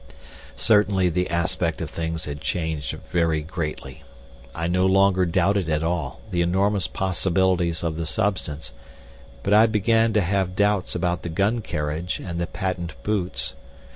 Certainly the aspect of things had changed very greatly. I no longer doubted at all the enormous possibilities of the substance, but I began to have doubts about the gun carriage and the patent boots.